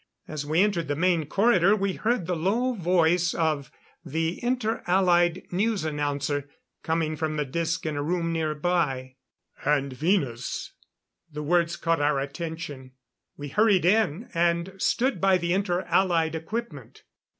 As we entered the main corridor, we heard the low voice of the Inter Allied news announcer, coming from the disc in a room nearby. "And Venus " The words caught our attention. We hurried in, and stood by the Inter Allied equipment.